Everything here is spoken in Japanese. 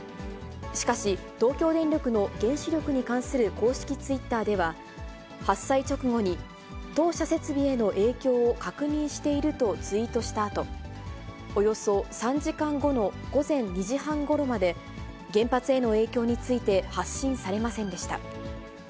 しかし、東京電力の原子力に関する公式ツイッターでは、発災直後に、当社設備への影響を確認しているとツイートしたあと、およそ３時間後の午前２時半ごろまで原発への影響について発信されませんでした。